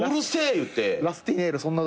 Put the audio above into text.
言うて。